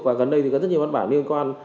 và gần đây thì có rất nhiều văn bản liên quan